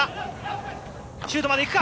シュートまで行くか？